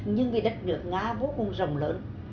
nhưng vì đất nước nga vô cùng rộng lớn